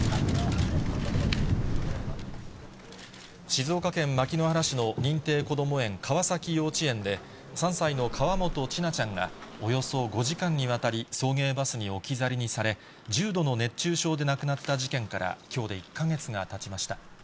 静岡県牧之原市の認定こども園、川崎幼稚園で、３歳の河本千奈ちゃんが、およそ５時間にわたり、送迎バスに置き去りにされ、重度の熱中症で亡くなった事件からきょうで１か月がたちました。